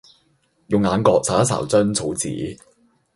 用眼角睄一睄張草紙